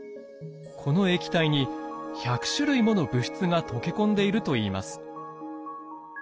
この液体に１００種類もの物質が溶け込んでいるといいます。